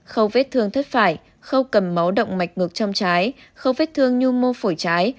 khâu vết thương thất phải khâu cầm máu động mạch ngực trong trái khâu vết thương nhu mô phổi trái